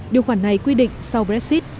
điều khoản này quy định sau brexit